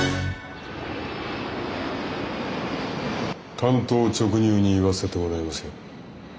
単刀直入に言わせてもらいますよ。